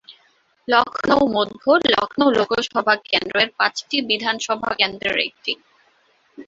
লখনউ মধ্য, লখনউ লোকসভা কেন্দ্র-এর পাঁচটি বিধানসভা কেন্দ্রের একটি।